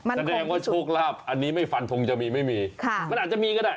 แสดงว่าโชคลาภอันนี้ไม่ฟันทงจะมีไม่มีค่ะมันอาจจะมีก็ได้